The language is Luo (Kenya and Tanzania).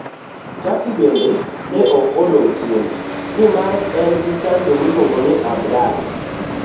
Turkey bende ok ne odong' chien, nimar en gi chanjo miluongo ni Abdala.